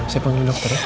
saya panggil dokter ya